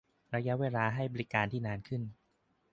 - ระยะเวลาให้บริการที่นานขึ้น